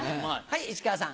石川さん。